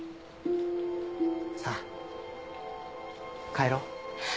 さあ帰ろう。